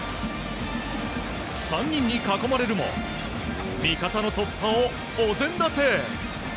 ３人に囲まれるも味方の突破をお膳立て！